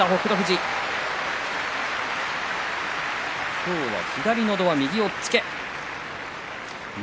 今日は左のど輪、右押っつけ錦